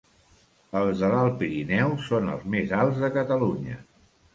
Els de l'Alt Pirineu són els més alts de Catalunya.